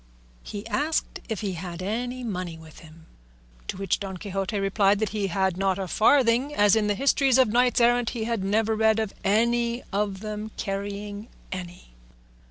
He asked if he had any money with him, to which Don Quixote replied that he had not a farthing, as in the histories of knights errant he had never read of any of them carrying any.